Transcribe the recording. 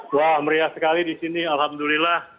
wah meriah sekali di sini alhamdulillah